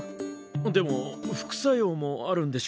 でも副作用もあるんでしょう？